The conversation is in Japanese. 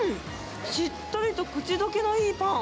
しっとりとくちどけのいいパン。